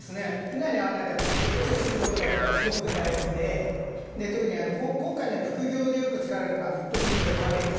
被害に遭わないためには手口を知る事がやっぱりすごく大事で特に今回のような副業でよく使われるのがフットインザドアテクニック。